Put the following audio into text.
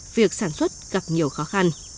việc sản xuất gặp nhiều khó khăn